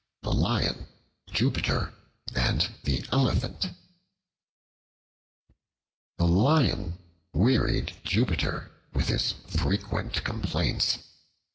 The Lion, Jupiter, and the Elephant THE LION wearied Jupiter with his frequent complaints.